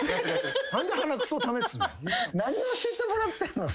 何で鼻くそを試すねん。